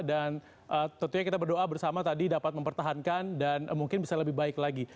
dan tentunya kita berdoa bersama tadi dapat mempertahankan dan mungkin bisa lebih baik lagi